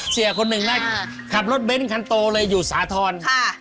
เสี่ยคนหนึ่งนะครับรถเบ้นขาโตเลยอยู่สาธรรณ์